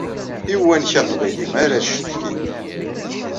I uwanek aqbayli ara tcetkim.